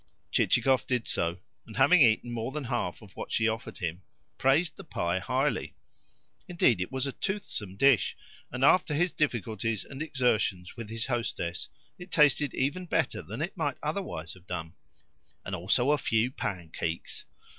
Chichikov did so, and having eaten more than half of what she offered him, praised the pie highly. Indeed, it was a toothsome dish, and, after his difficulties and exertions with his hostess, it tasted even better than it might otherwise have done. "And also a few pancakes?"